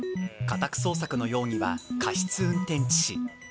家宅捜索の容疑は過失運転致死。